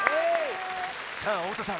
さあ太田さん